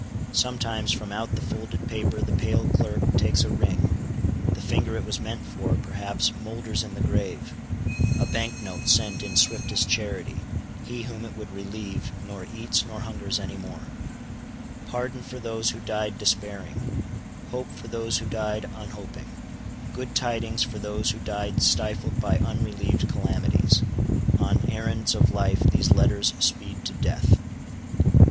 Sometimes from out the folded paper the pale clerk takes a ring:—the finger it was meant for, perhaps, moulders in the grave; a bank note sent in swiftest charity:—he whom it would relieve, nor eats nor hungers any more; pardon for those who died despairing; hope for those who died unhoping; good tidings for those who died stifled by unrelieved calamities. On errands of life, these letters speed to death.